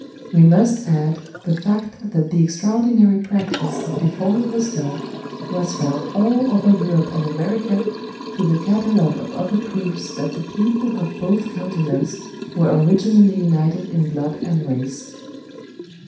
We must add the fact that the extraordinary practice of deforming the skull was found all over Europe and America to the catalogue of other proofs that the people of both continents were originally united in blood and race.